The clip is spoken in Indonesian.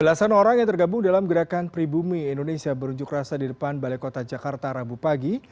belasan orang yang tergabung dalam gerakan pribumi indonesia berunjuk rasa di depan balai kota jakarta rabu pagi